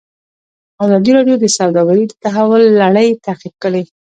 ازادي راډیو د سوداګري د تحول لړۍ تعقیب کړې.